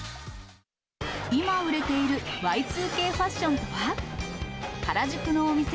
今、売れているＹ２Ｋファッションとは。